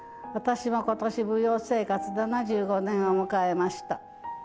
私も今年舞踊生活７５年を迎えました。